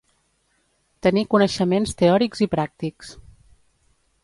Tenir coneixements teòrics i pràctics.